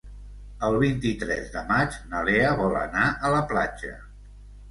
El vint-i-tres de maig na Lea vol anar a la platja.